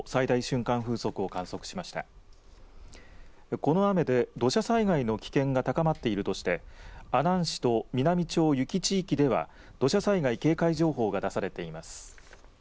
この雨で土砂災害の危険が高まっているとして阿南市と美波町由岐地域では土砂災害警戒情報が出されています。